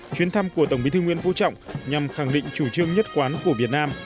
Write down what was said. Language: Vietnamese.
chuyến thăm của tổng bí thư nguyễn phú trọng nhằm khẳng định chủ trương nhất quán của việt nam